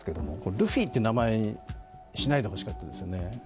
ルフィという名前にしないでほしかったですよね。